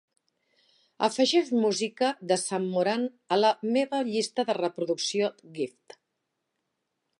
Afegeix música de Sam Moran a la meva llista de reproducció tgif